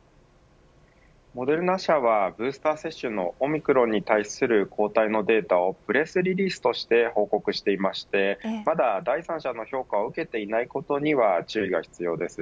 モデルナ社はブースター接種のオミクロンに対する抗体のデータをプレスリリースとして報告していましてまだ第三者の評価を受けてないことには注意が必要です。